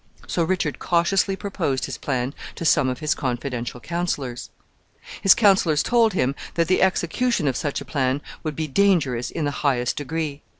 So Richard cautiously proposed his plan to some of his confidential counselors. His counselors told him that the execution of such a plan would be dangerous in the highest degree.